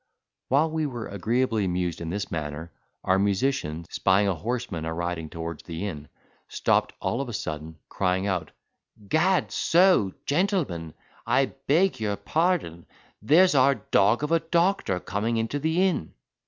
While we were agreeably amused in this manner, our musician, spying a horseman a riding towards the inn, stopped all of a sudden, crying out, "Gad so! gentlemen, I beg your pardon, there's our dog of a doctor coming into the inn."